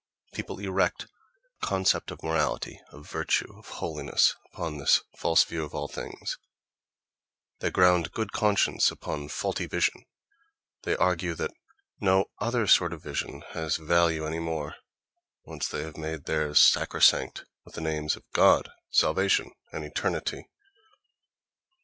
People erect a concept of morality, of virtue, of holiness upon this false view of all things; they ground good conscience upon faulty vision; they argue that no other sort of vision has value any more, once they have made theirs sacrosanct with the names of "God," "salvation" and "eternity."